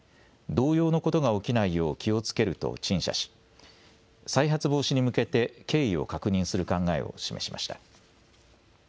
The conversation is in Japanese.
同様のことが起きないよう気をつけると陳謝し再発防止に向けて経緯を確認する考えを示しました。